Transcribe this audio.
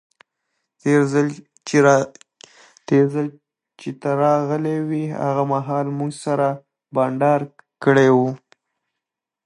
تیر ځل چې ته راغلی وې هغه مهال مو سره بانډار کړی وو.